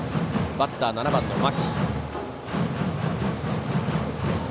バッター、７番の牧。